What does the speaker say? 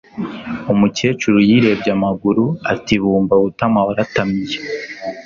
umukecuru yirebye amaguru ati bumba butama waratamiye